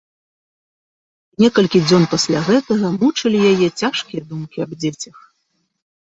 І некалькі дзён пасля гэтага мучылі яе цяжкія думкі аб дзецях.